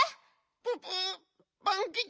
ププパンキチ